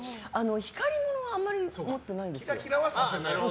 光りものはあまり持ってないです。